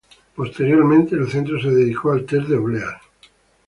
Posteriormente el centro se dedicó al test de obleas.